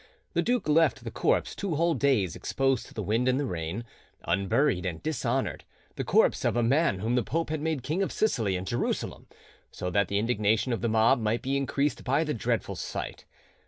The duke left the corpse two whole days exposed to the wind and the rain, unburied and dishonoured, the corpse of a man whom the pope had made King of Sicily and Jerusalem, so that the indignation of the mob might be increased by the dreadful sight.